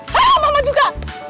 hah mama juga